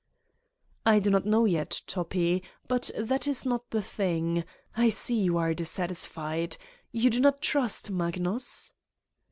"I do not know yet, Toppi. But that is not the thing. I see you are dissatisfied. You do not trust Magnus!"